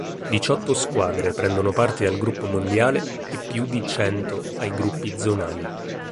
Diciotto squadre prendono parte al Gruppo Mondiale e più di cento ai gruppi zonali.